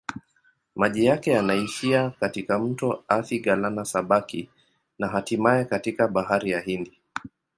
Maji yake yanaishia katika mto Athi-Galana-Sabaki na hatimaye katika Bahari ya Hindi.